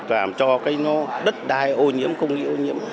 làm cho cái đất đai ô nhiễm không bị ô nhiễm